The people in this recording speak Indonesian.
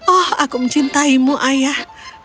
oh aku mencintaimu ayah